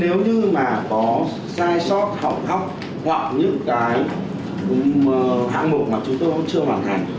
nếu mà có sai sót hỏng hóc hoặc những cái hãng mục mà chúng tôi chưa hoàn hẳn